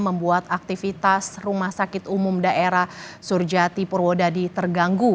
membuat aktivitas rumah sakit umum daerah surjati purwodadi terganggu